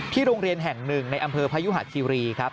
โรงเรียนแห่งหนึ่งในอำเภอพยุหะคิรีครับ